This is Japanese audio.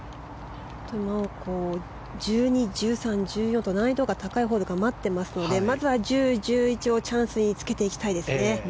１２、１３、１４と難易度が高いホールが待っていますのでまずは１０、１１をチャンスにつけていきたいですね。